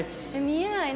見えない。